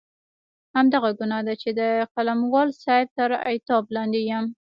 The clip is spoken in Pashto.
همدغه ګناه ده چې د قلموال صاحب تر عتاب لاندې یم.